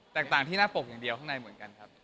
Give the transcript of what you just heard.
ต่างที่หน้าปกอย่างเดียวข้างในเหมือนกันครับ